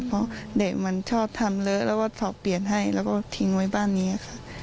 เพราะเด็กมันชอบทำเลอะแล้วก็สอบเปลี่ยนให้แล้วก็ทิ้งไว้บ้านนี้ค่ะ